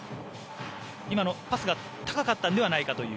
今のパスが高かったのではないかという。